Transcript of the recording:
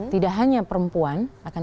tidak hanya perempuan